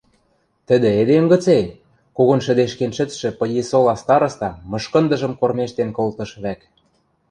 Тӹдӹ эдем гыце? – когон шӹдешкен шӹцшӹ Пыйисола староста мышкындыжым кормежтен колтыш вӓк.